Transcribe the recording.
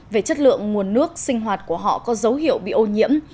về chất lượng nguồn nước sinh hoạt của họ có dấu hiệu bị ô nhiễm